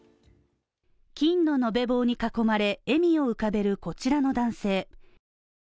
金の延べ棒に囲まれ、笑みを浮かべるこちらの男性。